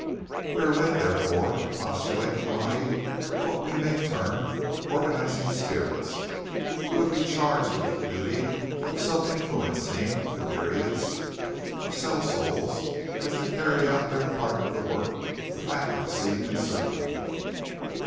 "We are led, therefore, to postulate a body of what we may term organizing spirits, who would be charged with the duty of so influencing the myriads of cell souls as to carry out their part of the work with accuracy and certainty....